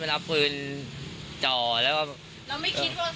เราไม่ได้ทำอะไร